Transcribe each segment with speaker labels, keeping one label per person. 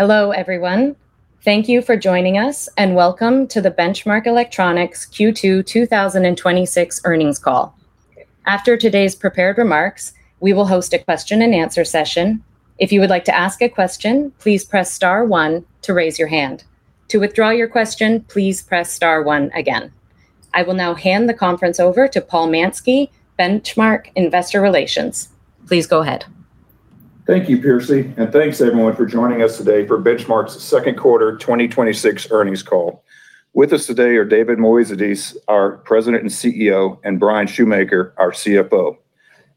Speaker 1: Hello, everyone. Thank you for joining us, and welcome to the Benchmark Electronics Q2 2026 earnings call. After today's prepared remarks, we will host a question-and-answer session. If you would like to ask a question, please press star one to raise your hand. To withdraw your question, please press star one again. I will now hand the conference over to Paul Mansky, Benchmark Investor Relations. Please go ahead.
Speaker 2: Thank you, Piercy, and thanks, everyone, for joining us today for Benchmark's second quarter 2026 earnings call. With us today are David Moezidis, our President and Chief Executive Officer, and Bryan Schumaker, our Chief Financial Officer.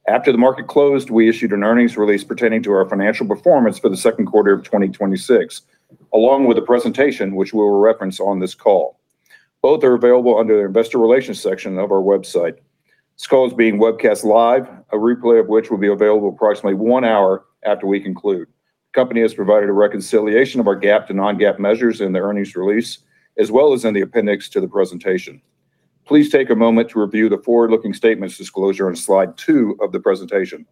Speaker 2: After the market closed, we issued an earnings release pertaining to our financial performance for the second quarter of 2026, along with a presentation, which we will reference on this call. Both are available under the investor relations section of our website. This call is being webcast live, a replay of which will be available approximately one hour after we conclude. The company has provided a reconciliation of our GAAP to non-GAAP measures in the earnings release, as well as in the appendix to the presentation. Please take a moment to review the forward-looking statements disclosure on slide two of the presentation.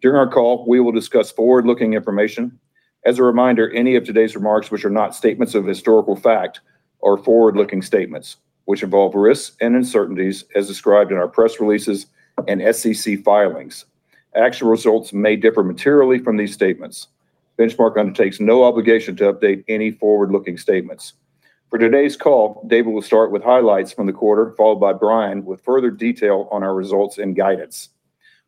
Speaker 2: During our call, we will discuss forward-looking information. As a reminder, any of today's remarks which are not statements of historical fact are forward-looking statements, which involve risks and uncertainties as described in our press releases and SEC filings. Actual results may differ materially from these statements. Benchmark undertakes no obligation to update any forward-looking statements. For today's call, David will start with highlights from the quarter, followed by Bryan with further detail on our results and guidance.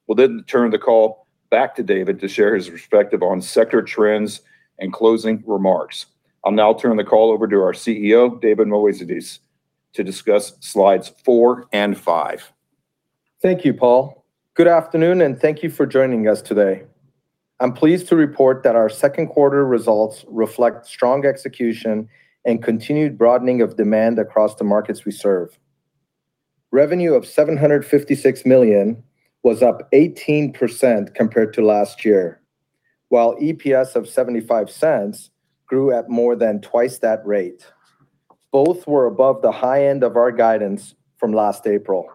Speaker 2: We'll then turn the call back to David to share his perspective on sector trends and closing remarks. I'll now turn the call over to our Chief Executive Officer, David Moezidis, to discuss slides four and five.
Speaker 3: Thank you, Paul. Good afternoon, and thank you for joining us today. I'm pleased to report that our second quarter results reflect strong execution and continued broadening of demand across the markets we serve. Revenue of $756 million was up 18% compared to last year, while EPS of $0.75 grew at more than twice that rate. Both were above the high end of our guidance from last April.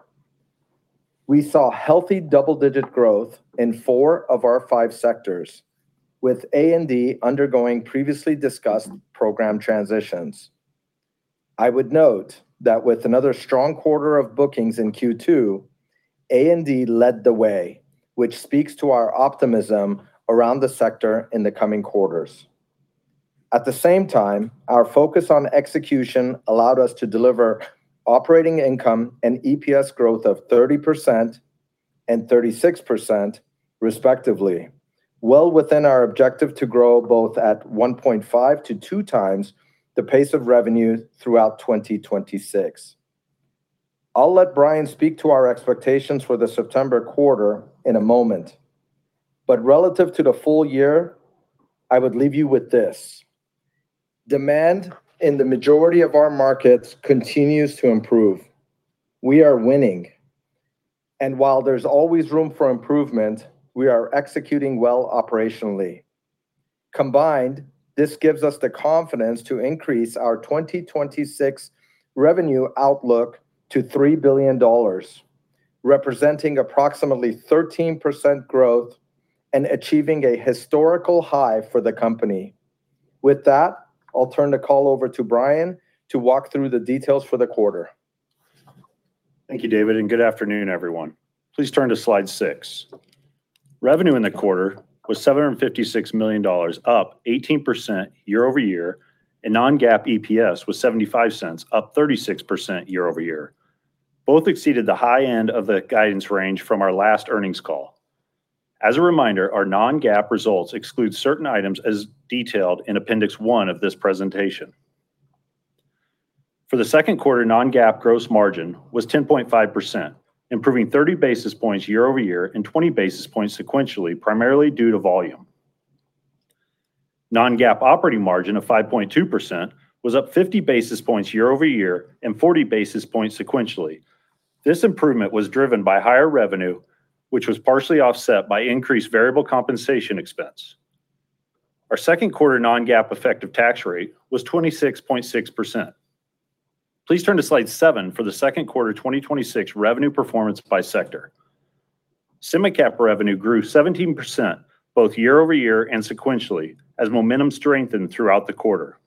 Speaker 3: We saw healthy double-digit growth in four of our five sectors, with A&D undergoing previously discussed program transitions. I would note that with another strong quarter of bookings in Q2, A&D led the way, which speaks to our optimism around the sector in the coming quarters. At the same time, our focus on execution allowed us to deliver operating income and EPS growth of 30% and 36%, respectively, well within our objective to grow both at 1.5x to 2x the pace of revenue throughout 2026. I'll let Bryan speak to our expectations for the September quarter in a moment, but relative to the full year, I would leave you with this: demand in the majority of our markets continues to improve. We are winning. While there's always room for improvement, we are executing well operationally. Combined, this gives us the confidence to increase our 2026 revenue outlook to $3 billion, representing approximately 13% growth and achieving a historical high for the company. With that, I'll turn the call over to Bryan to walk through the details for the quarter.
Speaker 4: Thank you, David, and good afternoon, everyone. Please turn to slide six. Revenue in the quarter was $756 million, up 18% year-over-year, and non-GAAP EPS was $0.75, up 36% year-over-year. Both exceeded the high end of the guidance range from our last earnings call. As a reminder, our non-GAAP results exclude certain items as detailed in appendix one of this presentation. For the second quarter, non-GAAP gross margin was 10.5%, improving 30 basis points year-over-year and 20 basis points sequentially, primarily due to volume. Non-GAAP operating margin of 5.2% was up 50 basis points year-over-year and 40 basis points sequentially. This improvement was driven by higher revenue, which was partially offset by increased variable compensation expense. Our second quarter non-GAAP effective tax rate was 26.6%. Please turn to slide seven for the second quarter 2026 revenue performance by sector. Semi-Cap revenue grew 17%, both year-over-year and sequentially, as momentum strengthened throughout the quarter.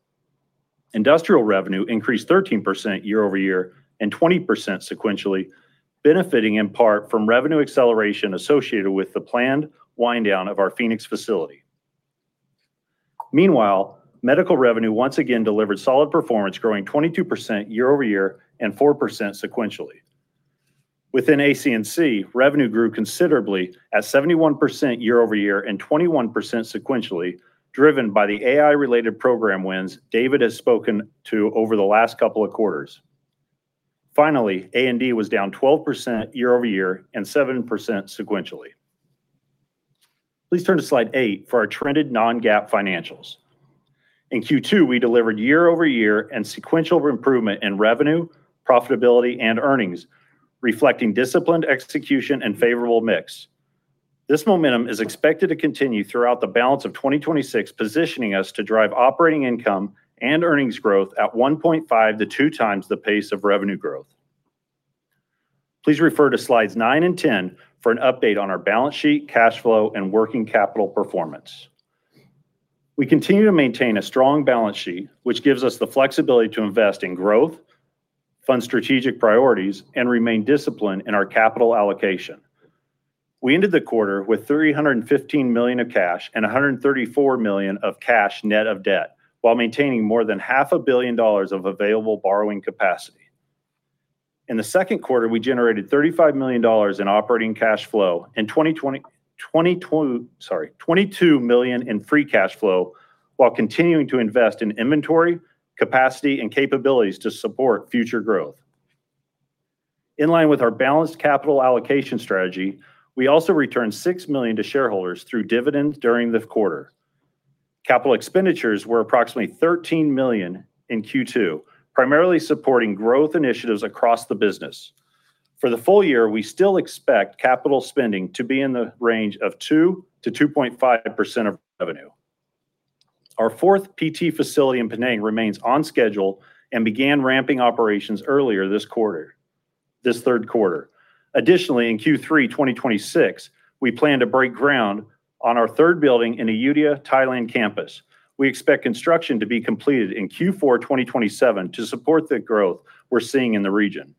Speaker 4: Industrial revenue increased 13% year-over-year and 20% sequentially, benefiting in part from revenue acceleration associated with the planned wind down of our Phoenix facility. Meanwhile, medical revenue once again delivered solid performance, growing 22% year-over-year and 4% sequentially. Within AC&C, revenue grew considerably at 71% year-over-year and 21% sequentially, driven by the AI-related program wins David has spoken to over the last couple of quarters. Finally, A&D was down 12% year-over-year and 7% sequentially. Please turn to slide eight for our trended non-GAAP financials. In Q2, we delivered year-over-year and sequential improvement in revenue, profitability, and earnings, reflecting disciplined execution and favorable mix. This momentum is expected to continue throughout the balance of 2026, positioning us to drive operating income and earnings growth at 1.5x to 2x the pace of revenue growth. Please refer to slides nine and 10 for an update on our balance sheet, cash flow, and working capital performance. We continue to maintain a strong balance sheet, which gives us the flexibility to invest in growth, fund strategic priorities, and remain disciplined in our capital allocation. We ended the quarter with $315 million of cash and $134 million of cash, net of debt, while maintaining more than half a billion dollars of available borrowing capacity. In the second quarter, we generated $35 million in operating cash flow and $22 million in free cash flow while continuing to invest in inventory, capacity, and capabilities to support future growth. In line with our balanced capital allocation strategy, we also returned $6 million to shareholders through dividends during the quarter. Capital expenditures were approximately $13 million in Q2, primarily supporting growth initiatives across the business. For the full year, we still expect capital spending to be in the range of 2%-2.5% of revenue. Our fourth PT facility in Penang remains on schedule and began ramping operations earlier this third quarter. Additionally, in Q3 2026, we plan to break ground on our third building in the Ayutthaya, Thailand campus. We expect construction to be completed in Q4 2027 to support the growth we're seeing in the region.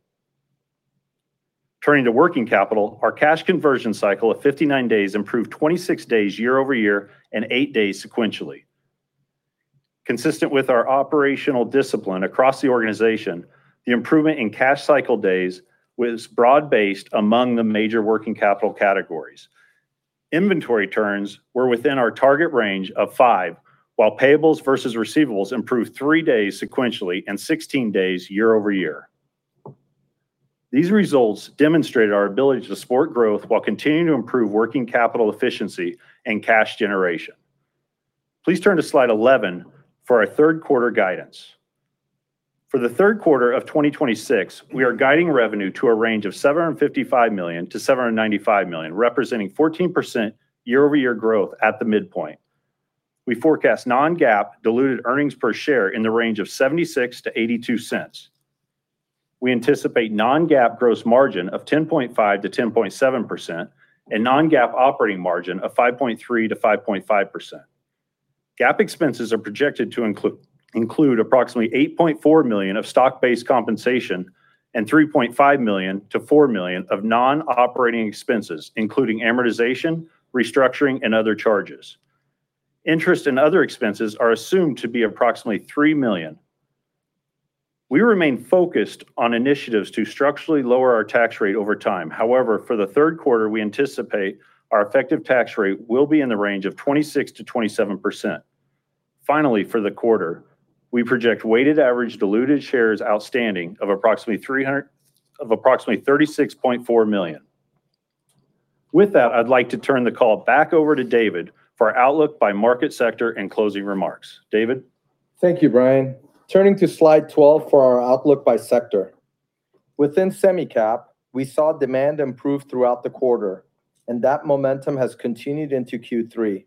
Speaker 4: Turning to working capital, our cash conversion cycle of 59 days improved 26 days year-over-year and eight days sequentially. Consistent with our operational discipline across the organization, the improvement in cash cycle days was broad-based among the major working capital categories. Inventory turns were within our target range of five, while payables versus receivables improved three days sequentially and 16 days year-over-year. These results demonstrated our ability to support growth while continuing to improve working capital efficiency and cash generation. Please turn to slide 11 for our third quarter guidance. For the third quarter of 2026, we are guiding revenue to a range of $755 million-$795 million, representing 14% year-over-year growth at the midpoint. We forecast non-GAAP diluted earnings per share in the range of $0.76-$0.82. We anticipate non-GAAP gross margin of 10.5%-10.7% and non-GAAP operating margin of 5.3%-5.5%. GAAP expenses are projected to include approximately $8.4 million of stock-based compensation and $3.5 million-$4 million of non-operating expenses, including amortization, restructuring, and other charges. Interest and other expenses are assumed to be approximately $3 million. We remain focused on initiatives to structurally lower our tax rate over time. However, for the third quarter, we anticipate our effective tax rate will be in the range of 26%-27%. Finally, for the quarter, we project weighted average diluted shares outstanding of approximately 36.4 million. With that, I'd like to turn the call back over to David for outlook by market sector and closing remarks. David?
Speaker 3: Thank you, Bryan. Turning to slide 12 for our outlook by sector. Within Semi-Cap, we saw demand improve throughout the quarter, and that momentum has continued into Q3.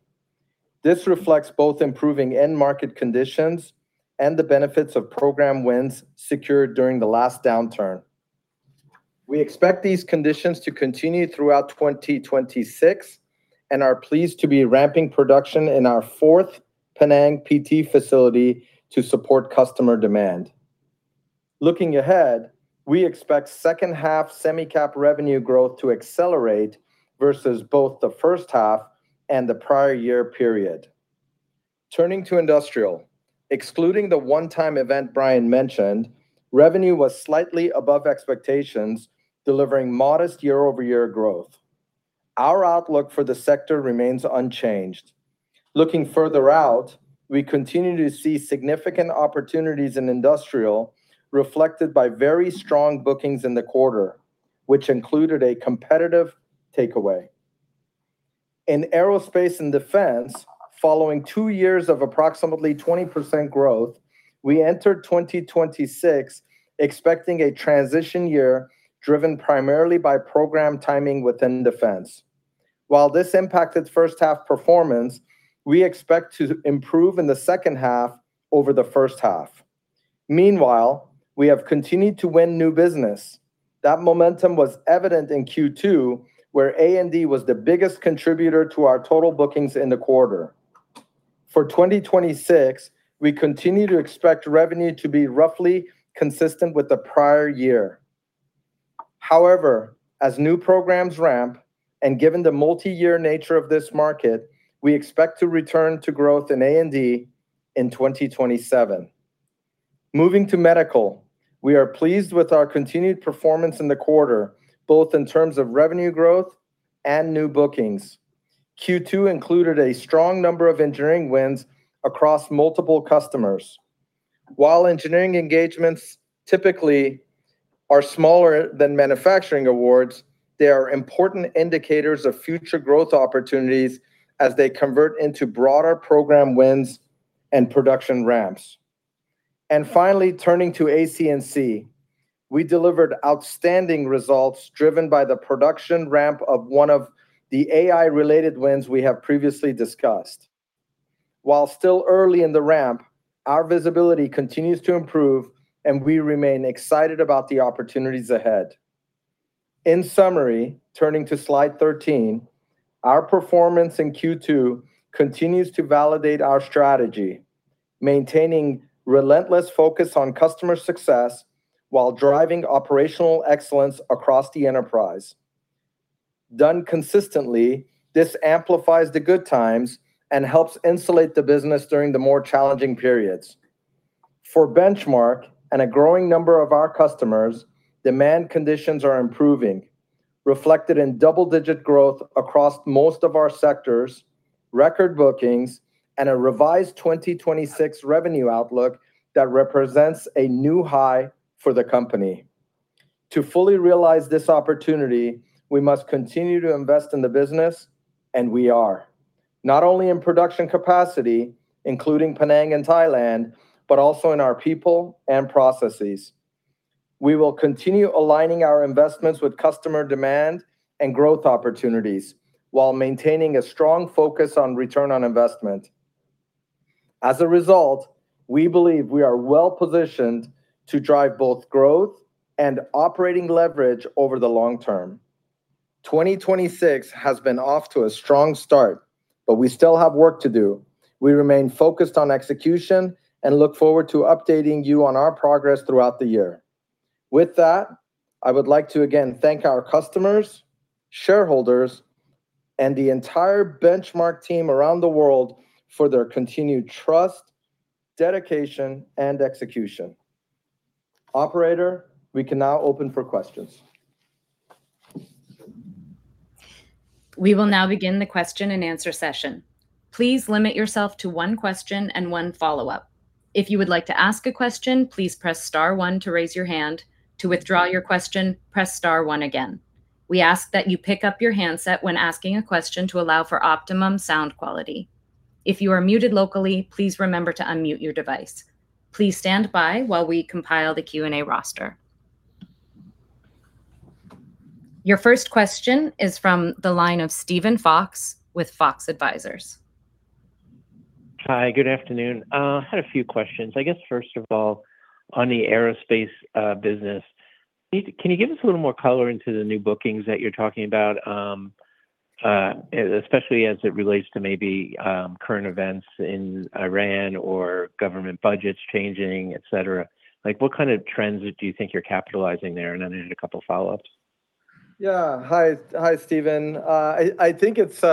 Speaker 3: This reflects both improving end market conditions and the benefits of program wins secured during the last downturn. We expect these conditions to continue throughout 2026 and are pleased to be ramping production in our fourth Penang PT facility to support customer demand. Looking ahead, we expect second half Semi-Cap revenue growth to accelerate versus both the first half and the prior year period. Turning to Industrial, excluding the one-time event Bryan mentioned, revenue was slightly above expectations, delivering modest year-over-year growth. Our outlook for the sector remains unchanged. Looking further out, we continue to see significant opportunities in Industrial reflected by very strong bookings in the quarter, which included a competitive takeaway. In Aerospace and Defense, following two years of approximately 20% growth, we entered 2026 expecting a transition year driven primarily by program timing within Defense. While this impacted first half performance, we expect to improve in the second half over the first half. Meanwhile, we have continued to win new business. That momentum was evident in Q2, where A&D was the biggest contributor to our total bookings in the quarter. For 2026, we continue to expect revenue to be roughly consistent with the prior year. However, as new programs ramp, and given the multi-year nature of this market, we expect to return to growth in A&D in 2027. Moving to medical, we are pleased with our continued performance in the quarter, both in terms of revenue growth and new bookings. Q2 included a strong number of engineering wins across multiple customers. Finally, turning to AC&C, we delivered outstanding results driven by the production ramp of one of the AI-related wins we have previously discussed. While still early in the ramp, our visibility continues to improve, and we remain excited about the opportunities ahead. In summary, turning to slide 13, our performance in Q2 continues to validate our strategy, maintaining relentless focus on customer success while driving operational excellence across the enterprise. Done consistently, this amplifies the good times and helps insulate the business during the more challenging periods. For Benchmark and a growing number of our customers, demand conditions are improving, reflected in double-digit growth across most of our sectors, record bookings, and a revised 2026 revenue outlook that represents a new high for the company. To fully realize this opportunity, we must continue to invest in the business, and we are, not only in production capacity, including Penang and Thailand, but also in our people and processes. We will continue aligning our investments with customer demand and growth opportunities while maintaining a strong focus on return on investment. As a result, we believe we are well-positioned to drive both growth and operating leverage over the long term. 2026 has been off to a strong start, but we still have work to do. We remain focused on execution and look forward to updating you on our progress throughout the year. With that, I would like to again thank our customers, shareholders, and the entire Benchmark team around the world for their continued trust, dedication, and execution. Operator, we can now open for questions.
Speaker 1: We will now begin the question-and-answer session. Please limit yourself to one question and one follow-up. If you would like to ask a question, please press star one to raise your hand. To withdraw your question, press star one again. We ask that you pick up your handset when asking a question to allow for optimum sound quality. If you are muted locally, please remember to unmute your device. Please stand by while we compile the Q&A roster. Your first question is from the line of Steven Fox with Fox Advisors.
Speaker 5: Hi, good afternoon. I had a few questions. I guess first of all, on the aerospace business, can you give us a little more color into the new bookings that you're talking about, especially as it relates to maybe current events in Iran or government budgets changing, et cetera? What kind of trends do you think you're capitalizing there? Then I had a couple follow-ups.
Speaker 3: Yeah. Hi, Steven. I think it's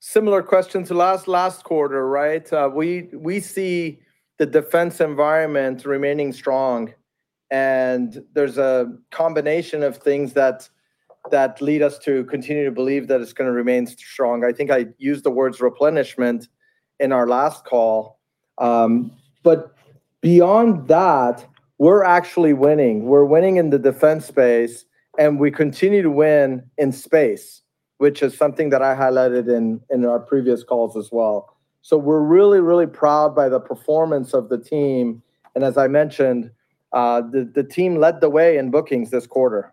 Speaker 3: a similar question to last quarter, right? We see the defense environment remaining strong, there's a combination of things that lead us to continue to believe that it's going to remain strong. I think I used the words replenishment in our last call. Beyond that, we're actually winning. We're winning in the defense space, and we continue to win in space, which is something that I highlighted in our previous calls as well. We're really, really proud by the performance of the team, and as I mentioned, the team led the way in bookings this quarter.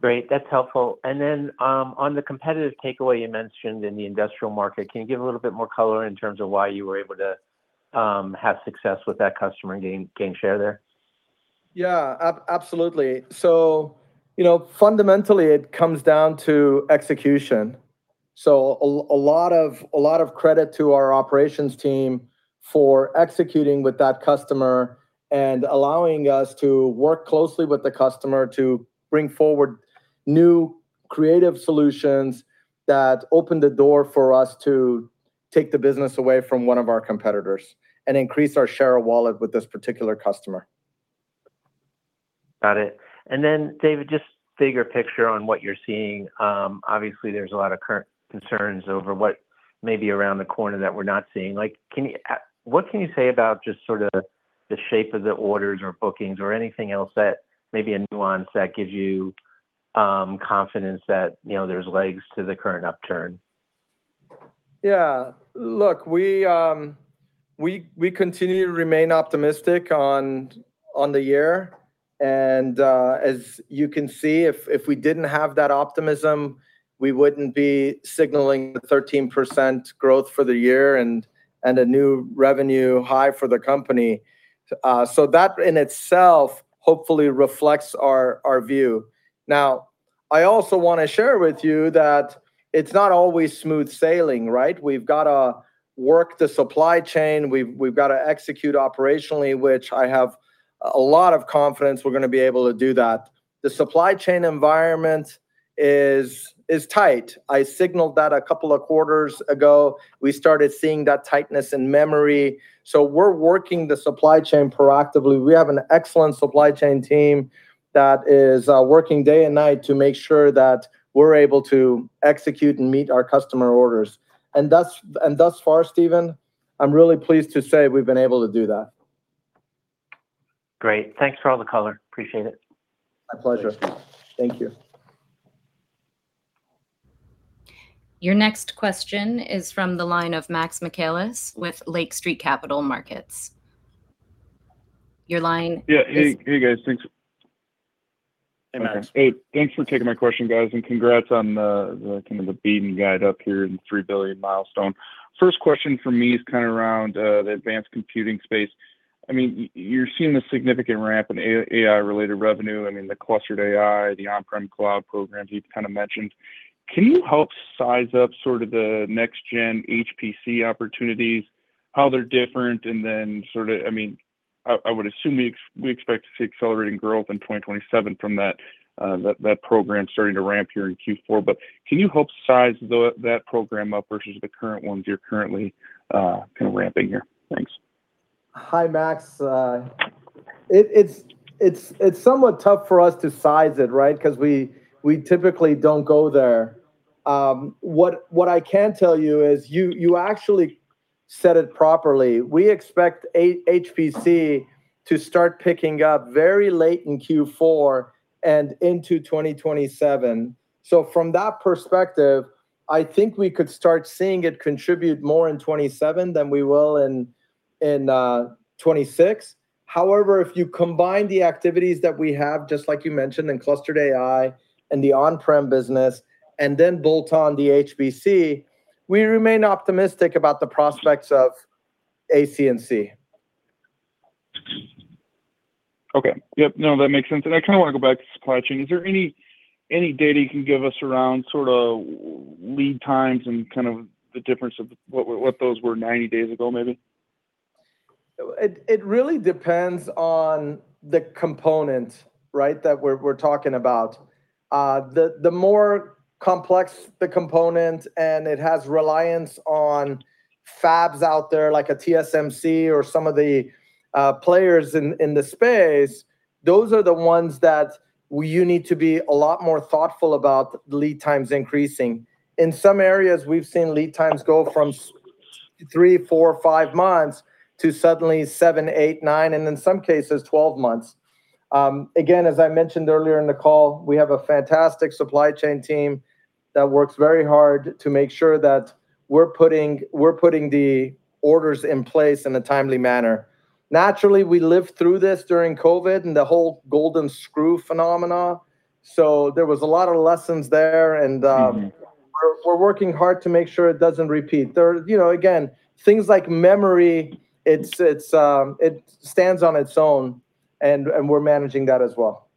Speaker 5: Great. That's helpful. Then, on the competitive takeaway you mentioned in the industrial market, can you give a little bit more color in terms of why you were able to have success with that customer and gain share there?
Speaker 3: Fundamentally, it comes down to execution. A lot of credit to our operations team for executing with that customer and allowing us to work closely with the customer to bring forward new creative solutions that open the door for us to take the business away from one of our competitors and increase our share of wallet with this particular customer.
Speaker 5: Got it. David, just bigger picture on what you're seeing. Obviously, there's a lot of current concerns over what may be around the corner that we're not seeing. What can you say about just sort of the shape of the orders or bookings or anything else that may be a nuance that gives you confidence that there's legs to the current upturn?
Speaker 3: Yeah. Look, we continue to remain optimistic on the year, as you can see, if we didn't have that optimism, we wouldn't be signaling the 13% growth for the year and a new revenue high for the company. That in itself hopefully reflects our view. I also want to share with you that it's not always smooth sailing, right? We've got to work the supply chain. We've got to execute operationally, which I have a lot of confidence we're going to be able to do that. The supply chain environment is tight. I signaled that a couple of quarters ago. We started seeing that tightness in memory. We're working the supply chain proactively. We have an excellent supply chain team that is working day and night to make sure that we're able to execute and meet our customer orders. Thus far, Steven, I'm really pleased to say we've been able to do that.
Speaker 5: Great. Thanks for all the color. Appreciate it.
Speaker 3: My pleasure. Thank you.
Speaker 1: Your next question is from the line of Max Michaelis with Lake Street Capital Markets.
Speaker 6: Yeah. Hey, guys. Thanks.
Speaker 4: Hey, Max.
Speaker 6: Hey, thanks for taking my question, guys, and congrats on kind of the beaten guide up here in the $3 billion milestone. First question from me is around the advanced computing space. You're seeing this significant ramp in AI-related revenue, I mean, the clustered AI, the on-prem cloud programs you've mentioned. Can you help size up sort of the next gen HPC opportunities, how they're different, and then I would assume we expect to see accelerating growth in 2027 from that program starting to ramp here in Q4. Can you help size that program up versus the current ones you're currently kind of ramping here? Thanks.
Speaker 3: Hi, Max. It's somewhat tough for us to size it, right? Because we typically don't go there. What I can tell you is you actually said it properly. We expect HPC to start picking up very late in Q4 and into 2027. From that perspective, I think we could start seeing it contribute more in 2027 than we will in 2026. However, if you combine the activities that we have, just like you mentioned, in clustered AI and the on-prem business, and then bolt on the HPC, we remain optimistic about the prospects of AC&C.
Speaker 6: Okay. Yep. No, that makes sense. I kind of want to go back to supply chain. Is there any data you can give us around sort of lead times and kind of the difference of what those were 90 days ago, maybe?
Speaker 3: It really depends on the component, right, that we're talking about. The more complex the component and it has reliance on fabs out there like a TSMC or some of the players in the space, those are the ones that you need to be a lot more thoughtful about lead times increasing. In some areas, we've seen lead times go from three, four, five months to suddenly seven, eight, nine, and in some cases, 12 months. Again, as I mentioned earlier in the call, we have a fantastic supply chain team that works very hard to make sure that we're putting the orders in place in a timely manner. Naturally, we lived through this during COVID and the whole golden screw phenomena. There was a lot of lessons there, and we're working hard to make sure it doesn't repeat. Again, things like memory, it stands on its own, and we're managing that as well.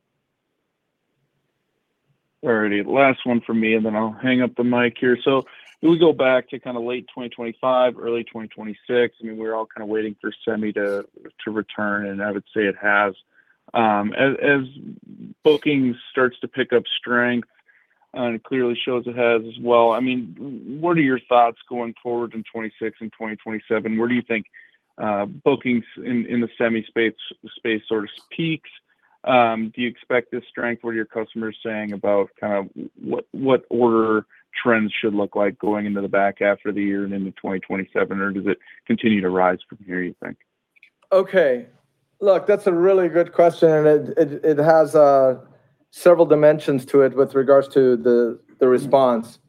Speaker 6: All righty. Last one from me, and then I'll hang up the mic here. If we go back to kind of late 2025, early 2026, I mean, we were all kind of waiting for semi to return, and I would say it has. As bookings starts to pick up strength, and it clearly shows it has as well, what are your thoughts going forward in 2026 and 2027? Where do you think bookings in the semi space sort of peaks? Do you expect this strength? What are your customers saying about what order trends should look like going into the back half of the year and into 2027? Or does it continue to rise from here, you think?
Speaker 3: Okay. Look, that's a really good question, and it has several dimensions to it with regards to the response.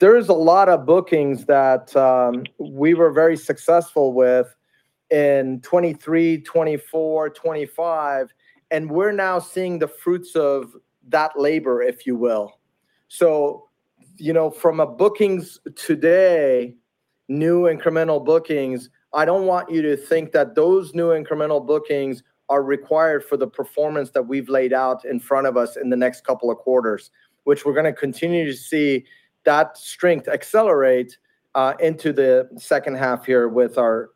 Speaker 3: There is a lot of bookings that we were very successful with in 2023, 2024, 2025, and we're now seeing the fruits of that labor, if you will. From a bookings today, new incremental bookings, I don't want you to think that those new incremental bookings are required for the performance that we've laid out in front of us in the next couple of quarters, which we're going to continue to see that strength accelerate into the second half here with our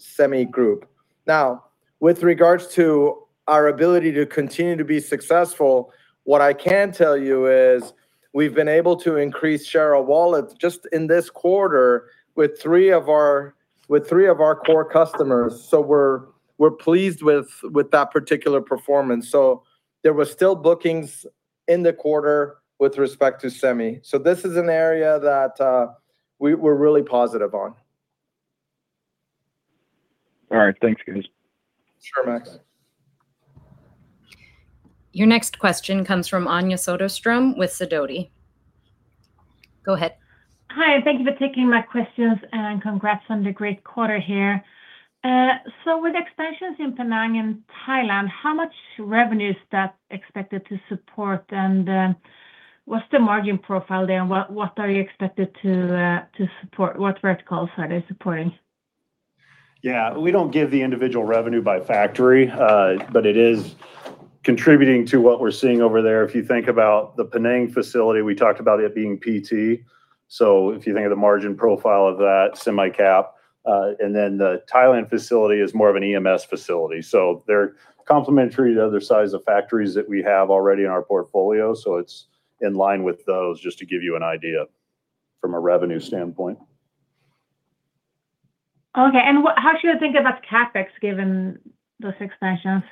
Speaker 3: semi group. Now, with regards to our ability to continue to be successful, what I can tell you is we've been able to increase share of wallet just in this quarter with three of our core customers. We're pleased with that particular performance. There was still bookings in the quarter with respect to Semi. This is an area that we're really positive on.
Speaker 6: All right. Thanks, guys.
Speaker 3: Sure, Max.
Speaker 1: Your next question comes from Anja Soderstrom with Sidoti. Go ahead.
Speaker 7: Hi, thank you for taking my questions, and congrats on the great quarter here. With expansions in Penang and Thailand, how much revenue is that expected to support, and what's the margin profile there? What verticals are they supporting?
Speaker 4: Yeah. We don't give the individual revenue by factory, but it is contributing to what we're seeing over there. If you think about the Penang facility, we talked about it being PT. If you think of the margin profile of that Semi-Cap, and then the Thailand facility is more of an EMS facility. They're complementary to other size of factories that we have already in our portfolio. It's in line with those, just to give you an idea from a revenue standpoint.
Speaker 7: Okay. How should I think about CapEx given those expansions?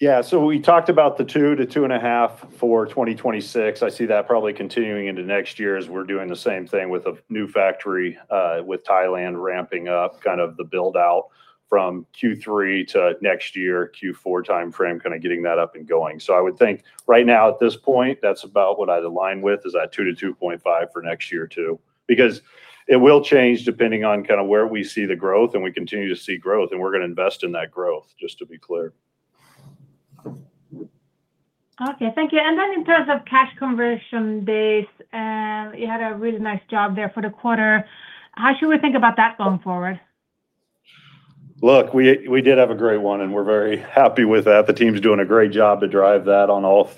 Speaker 4: Yeah. We talked about the 2%-2.5% for 2026. I see that probably continuing into next year as we're doing the same thing with a new factory, with Thailand ramping up kind of the build-out from Q3 to next year, Q4 timeframe, kind of getting that up and going. I would think right now at this point, that's about what I'd align with is that 2%-2.5% for next year, too. It will change depending on kind of where we see the growth, and we continue to see growth, and we're going to invest in that growth, just to be clear.
Speaker 7: Okay, thank you. In terms of cash conversion days, you had a really nice job there for the quarter. How should we think about that going forward?
Speaker 4: Look, we did have a great one, and we're very happy with that. The team's doing a great job to drive that on all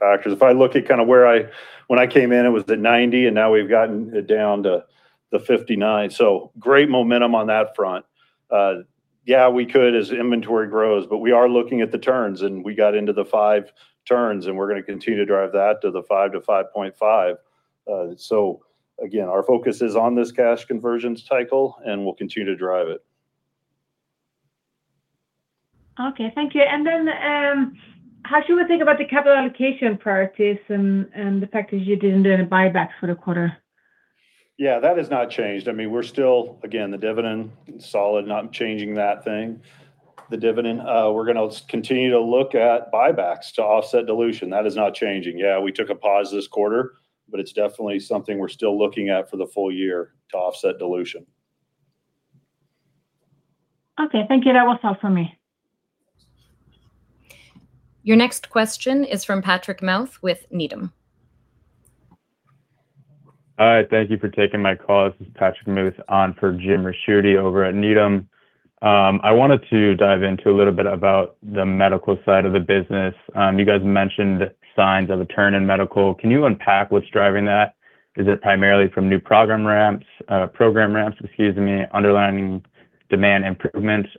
Speaker 4: factors. If I look at kind of where when I came in, it was the 90, and now we've gotten it down to the 59. Great momentum on that front. We could as inventory grows, but we are looking at the turns and we got into the 5 turns, and we're going to continue to drive that to the 5 to 5.5. Again, our focus is on this cash conversion cycle, and we'll continue to drive it.
Speaker 7: Okay, thank you. How should we think about the capital allocation priorities and the fact that you didn't do any buyback for the quarter?
Speaker 4: That has not changed. Again, the dividend solid, not changing that thing. The dividend, we're going to continue to look at buybacks to offset dilution. That is not changing. We took a pause this quarter, but it's definitely something we're still looking at for the full year to offset dilution.
Speaker 7: Okay, thank you. That was all for me.
Speaker 1: Your next question is from Patrick Muth with Needham.
Speaker 8: All right, thank you for taking my call. This is Patrick Muth on for Jim Ricchiuti over at Needham. I wanted to dive into a little bit about the medical side of the business. You guys mentioned signs of a turn in medical. Can you unpack what's driving that? Is it primarily from new program ramps, underlying demand improvements?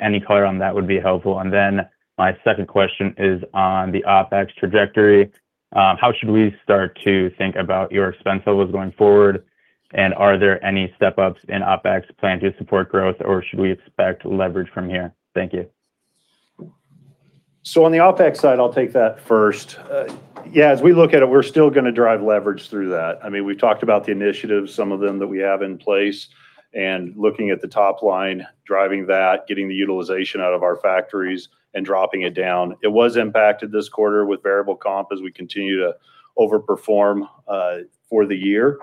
Speaker 8: Any color on that would be helpful. My second question is on the OpEx trajectory. How should we start to think about your spend levels going forward? Are there any step-ups in OpEx plan to support growth, or should we expect leverage from here? Thank you.
Speaker 4: On the OpEx side, I'll take that first. As we look at it, we're still going to drive leverage through that. We've talked about the initiatives, some of them that we have in place, looking at the top line, driving that, getting the utilization out of our factories and dropping it down. It was impacted this quarter with variable comp as we continue to over-perform for the year.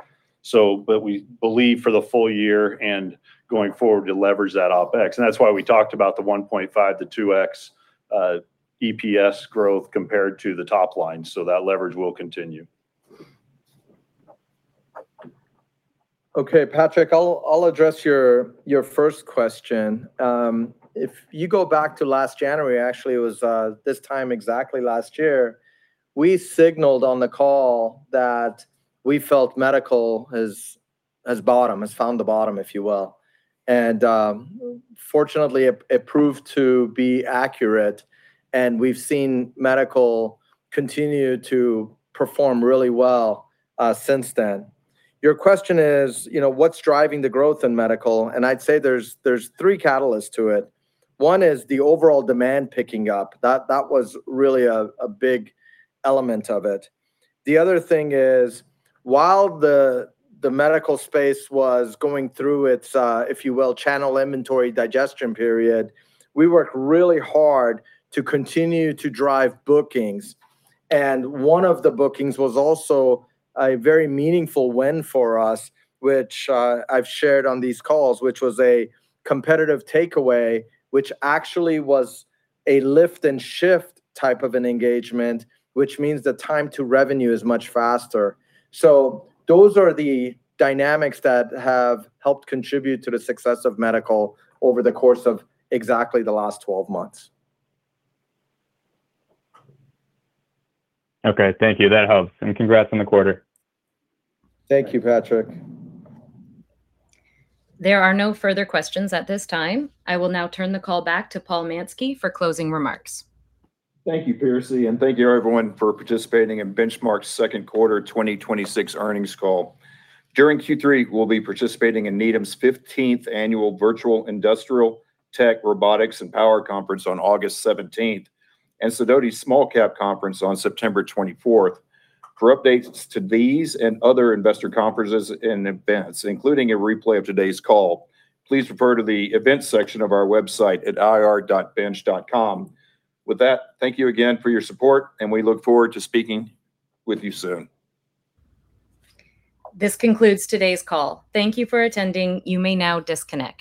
Speaker 4: We believe for the full year and going forward to leverage that OpEx, and that's why we talked about the 1.5x to 2x EPS growth compared to the top line. That leverage will continue.
Speaker 3: Patrick, I'll address your first question. If you go back to last January, actually, it was this time exactly last year, we signaled on the call that we felt medical has found the bottom, if you will. Fortunately, it proved to be accurate, and we've seen medical continue to perform really well since then. Your question is, what's driving the growth in medical? I'd say there's three catalysts to it. One is the overall demand picking up. That was really a big element of it. The other thing is, while the medical space was going through its, if you will, channel inventory digestion period, we worked really hard to continue to drive bookings. One of the bookings was also a very meaningful win for us, which I've shared on these calls, which was a competitive takeaway, which actually was a lift-and-shift type of an engagement, which means the time to revenue is much faster. Those are the dynamics that have helped contribute to the success of medical over the course of exactly the last 12 months.
Speaker 8: Thank you. That helps. Congrats on the quarter.
Speaker 3: Thank you, Patrick.
Speaker 1: There are no further questions at this time. I will now turn the call back to Paul Mansky for closing remarks.
Speaker 2: Thank you, Piercy, and thank you everyone for participating in Benchmark's second quarter 2026 earnings call. During Q3, we'll be participating in Needham's 15th Annual Virtual Industrial, Tech, Robotics, and Power Conference on August 17th and Sidoti's Small Cap Conference on September 24th. For updates to these and other investor conferences and events, including a replay of today's call, please refer to the events section of our website at ir.bench.com. With that, thank you again for your support, and we look forward to speaking with you soon.
Speaker 1: This concludes today's call. Thank you for attending. You may now disconnect.